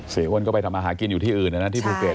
เสียอ้วนก็ไปทำอาหารกินอยู่ที่อื่นนะนะคะที่ภูเก็ต